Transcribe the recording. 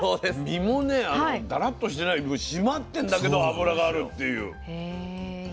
身もねだらっとしてない締まってんだけど脂があるっていう。